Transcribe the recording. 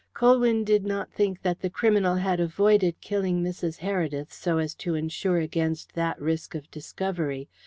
Colwyn did not think that the criminal had avoided killing Mrs. Heredith so as to ensure against that risk of discovery.